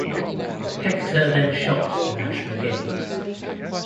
Hechter then shocked the national game.